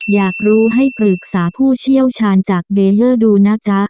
อยากรู้ให้ปรึกษาผู้เชี่ยวชาญจากเบลเลอร์ดูนะจ๊ะ